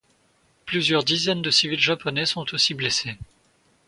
Plusieurs dizaines de civils japonais sont aussi blessés.